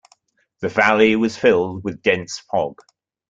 The valley was filled with dense fog.